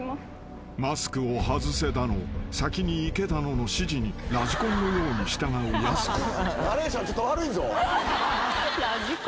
［マスクを外せだの先に行けだのの指示にラジコンのように従うやす子］